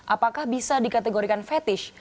apakah bisa dikategorikan fetish